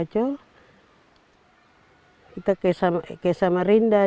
sejak tahun dua ribu enam belas kota kampung kapacol memiliki kegiatan yang lebih besar dari kota amerika